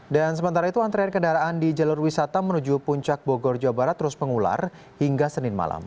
dan sementara itu antrean kendaraan di jalur wisata menuju puncak bogor jawa barat terus pengular hingga senin malam